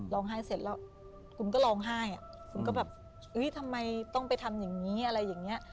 ร้องไห้เสร็จแล้วคุณก็ร้องไห้คุณก็แบบทำไมต้องไปทำอย่างนี้อะไรอย่างนี้